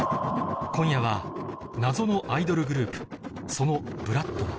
今夜は謎のアイドルグループその ＢＬＯＯＤ は